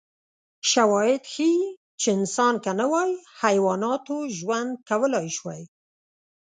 شواهد ښيي چې انسان که نه وای، حیواناتو ژوند کولای شوی.